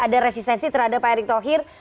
ada resistensi terhadap pak erick thohir